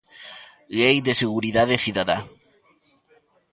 Lei de Seguridade Cidadá.